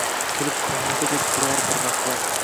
Kelib qolmasa deb biron bir rahbar